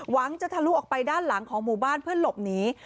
หวังจะทะลุออกไปด้านหลังของหมู่บ้านเพื่อหลบหนี